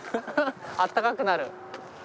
あったかくなる。